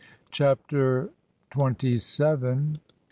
CHAPTER TWENTY SEVEN.